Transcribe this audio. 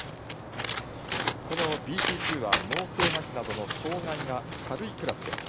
このＢＣ２は脳性まひなどの障がいが軽いクラスです。